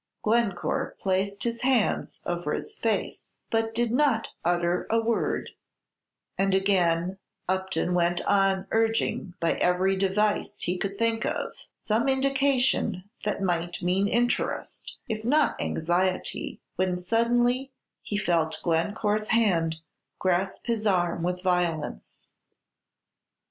Glencore placed his hands over his face, but did not utter a word; and again Upton went on urging, by every device he could think of, some indication that might mean interest, if not anxiety, when suddenly he felt Glencore's hand grasp his arm with violence.